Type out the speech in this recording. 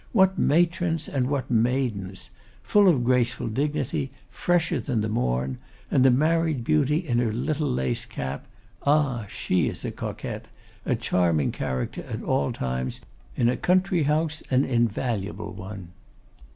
What matrons, and what maidens! Full of graceful dignity, fresher than the morn! And the married beauty in her little lace cap. Ah, she is a coquette! A charming character at all times; in a country house an invaluable one.